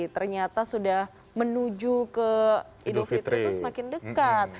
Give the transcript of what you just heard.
ternyata sudah menuju ke idul fitri itu semakin dekat